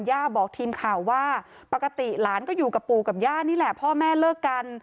ย่าบอกทีมข่าวว่าปกติหลานก็อยู่กับปู่กับย่านี่แหละพ่อแม่เลิกกัน